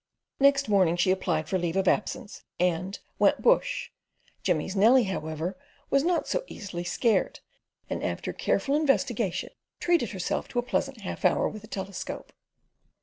Next morning she applied for leave of absence and "went bush." Jimmy's Nellie, however, was not so easily scared, and after careful investigation treated herself to a pleasant half hour with the telescope.